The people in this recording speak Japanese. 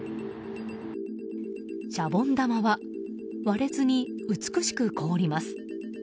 シャボン玉は割れずに美しく凍ります。